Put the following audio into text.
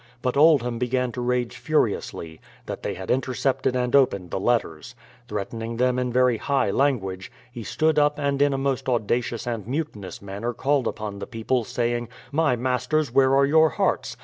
But Oldham began to rage furiously, that they had inter cepted and opened the letters. Threatening them in very high language, he stood up and in a most audacious and mutinous manner called upon the people, saying, — My masters, where are your hearts